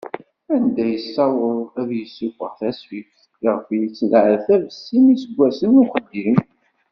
Anda yessaweḍ ad yessufeɣ tasfift iɣef yenneɛtab sin n yiseggasen n uxeddim.